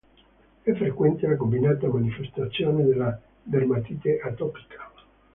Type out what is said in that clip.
È frequente la combinata manifestazione della dermatite atopica.